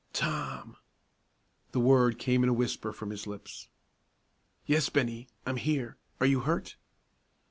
"Tom!" The word came in a whisper from his lips. "Yes, Bennie, I'm here; are you hurt?"